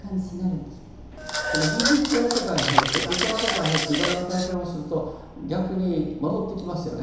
その非日常世界へ入って空想の世界へ入っていろんな体験をすると逆に戻ってきますよね。